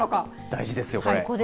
大事ですよ、これ。